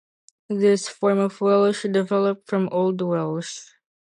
This form of Welsh developed from Old Welsh.